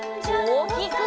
おおきく！